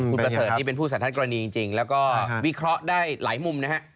คุณประเสริฐนี่เป็นผู้สันทกรณีจริงแล้วก็วิเคราะห์ได้หลายมุมนะฮะ